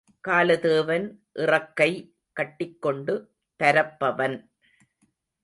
காலதேவன் இறக்கை கட்டிக்கொண்டு பரப்பவன்!